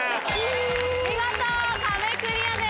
見事壁クリアです。